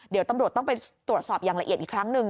เดี๋ยวตำรวจต้องไปตรวจสอบอย่างละเอียดอีกครั้งหนึ่ง